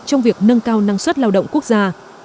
trong việc nâng cao năng suất lao động quốc gia